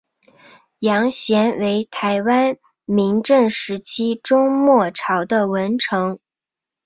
杨贤为台湾明郑时期中末期的文臣。